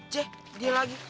j dia lagi